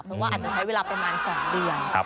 เพราะว่าอาจจะใช้เวลาประมาณ๒เดือน